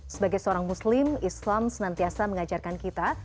sebagai seorang muslim islam senantiasa mengajarkan kita